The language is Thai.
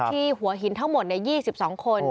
ที่หัวหินทั้งหมด๒๒คน